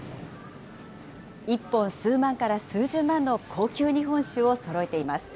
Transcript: １本数万から数十万の高級日本酒をそろえています。